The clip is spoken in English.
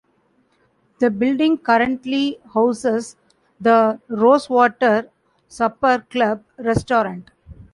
The building currently houses the Rosewater Supper Club Restaurant.